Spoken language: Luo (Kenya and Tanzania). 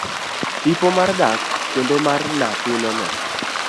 Tipo mar dak kendo mar nyathine no.